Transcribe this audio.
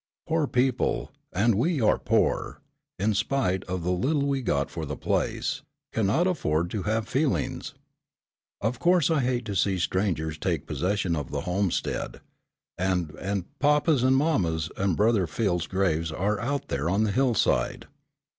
Poor people, and we are poor, in spite of the little we got for the place, cannot afford to have feelings. Of course I hate to see strangers take possession of the homestead, and and papa's and mamma's and brother Phil's graves are out there on the hillside.